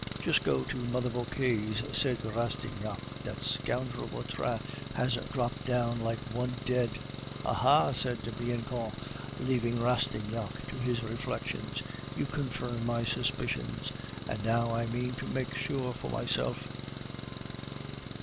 "Just go to Mother Vauquer's," said Rastignac; "that scoundrel Vautrin has dropped down like one dead." "Aha!" said Bianchon, leaving Rastignac to his reflections, "you confirm my suspicions, and now I mean to make sure for myself."